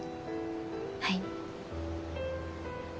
はい。